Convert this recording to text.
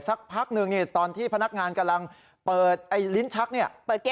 สักพักหนึ่งตอนที่พนักงานกำลังเปิดไอ้ลิ้นชักเนี่ย